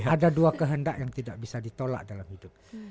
ada dua kehendak yang tidak bisa ditolak dalam hidup